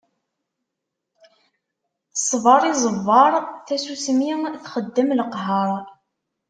Ṣṣbeṛ iẓebber, tasusmi txeddem leqheṛ.